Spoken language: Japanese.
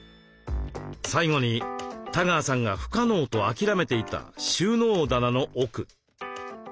最後に多川さんが「不可能」と諦めていた収納棚の奥。